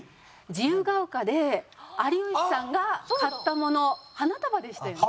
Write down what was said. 自由が丘で有吉さんが買ったもの花束でしたよね。